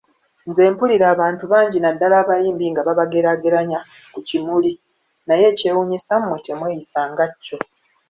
Nze mpulira abantu bangi naddala abayimbi nga babageraageranya ku kimuli, naye ekyewuunyisa mmwe temweyisa nga kyo.